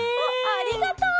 ありがとう！